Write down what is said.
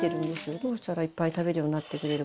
どうしたらいっぱい食べるようになってくれるか。